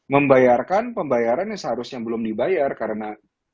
membayarkan pembayaran yang seharusnya belum dibayar karena